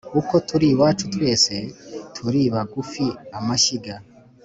Uko turi iwacu twese turi bagufi-Amashyiga.